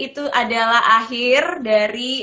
itu adalah akhir dari